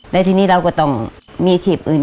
และทีนี้เราก็ต้องมีชีพอื่น